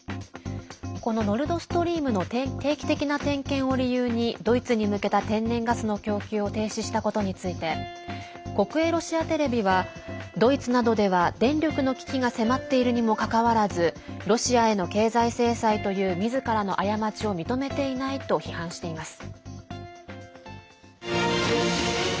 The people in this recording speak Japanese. このノルドストリームの定期的な点検を理由にドイツに向けた天然ガスの供給を停止したことについて国営ロシアテレビはドイツなどでは電力の危機が迫っているにもかかわらずロシアへの経済制裁というみずからの過ちを認めていないと批判しています。